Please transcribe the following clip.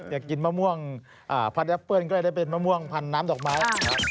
อยากกินมะม่วงพันแอปเปิ้ลก็เลยได้เป็นมะม่วงพันน้ำดอกไม้